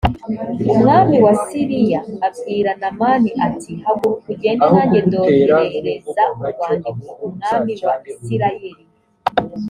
umwami wa siriya abwira namani ati “haguruka ugende nanjye ndoherereza urwandiko umwami wa isirayeli